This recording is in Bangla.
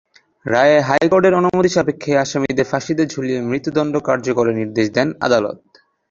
রায়ে হাইকোর্টের অনুমতি সাপেক্ষে আসামিদের ফাঁসিতে ঝুলিয়ে মৃত্যুদণ্ড কার্যকরের নির্দেশ দেন আদালত।